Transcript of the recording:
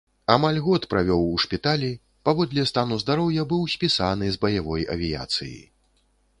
Амаль год правёў у шпіталі, паводле стану здароўя быў спісаны з баявой авіяцыі.